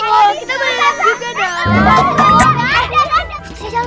oh kita boleh lihat buku buku ya dong